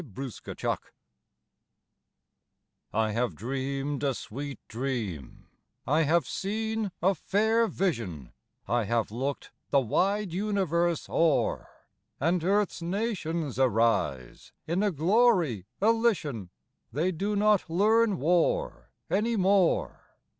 A NEW EARTH I have dreamed a sweet dream; I have seen a fair vision; I have looked the wide universe o'er; And earth's nations arise in a glory elysian They do not learn war any more.